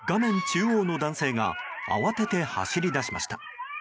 中央の男性が慌てて走り出しました。